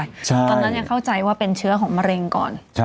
ตอนนั้นยังเข้าใจว่าเป็นเชื้อของมะเร็งก่อน